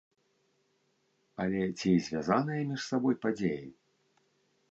Але ці звязаныя між сабой падзеі?